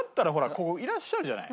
ここいらっしゃるじゃない。